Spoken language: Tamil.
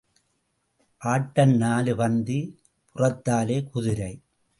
ஆட்டம் நாலு பந்தி புறத்தாலே குதிரை.